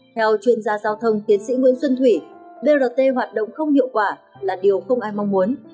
theo chuyên gia giao thông tiến sĩ nguyễn xuân thủy brt hoạt động không hiệu quả là điều không ai mong muốn